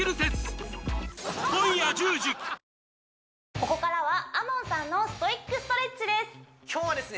ここからはＡＭＯＮさんのストイックストレッチです今日はですね